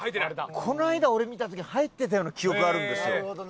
この間俺見た時入ってたような記憶あるんですよ。